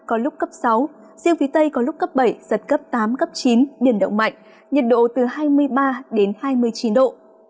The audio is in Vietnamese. có lúc cấp sáu riêng phía tây có lúc cấp bảy giật cấp tám cấp chín biển động mạnh nhiệt độ từ hai mươi ba hai mươi chín độ